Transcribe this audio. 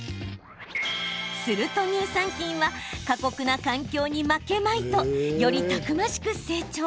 すると乳酸菌は過酷な環境に負けまいとよりたくましく成長。